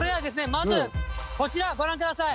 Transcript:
まずこちらご覧ください。